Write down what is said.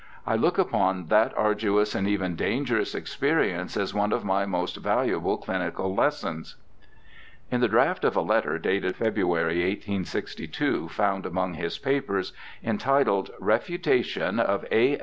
I look upon that arduous and even dangerous experience as one of my most valuable clinical lessons.' In the draft of a letter dated February, 1862, found among his papers, entitled Refutation of A.